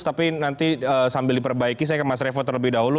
tapi nanti sambil diperbaiki saya ke mas revo terlebih dahulu